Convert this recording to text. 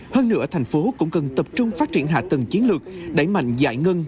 hơn nữa thành phố cũng cần tập trung phát triển hạ tầng chiến lược đẩy mạnh giải ngân